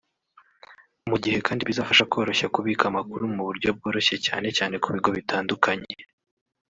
mu gihe kandi bizafasha koroshya kubika amakuru mu buryo bworoshye cyane cyane ku bigo bitandukanye"